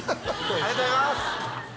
ありがとうございます。